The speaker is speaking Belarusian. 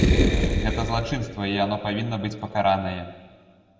Гэта злачынства, і яно павінна быць пакаранае.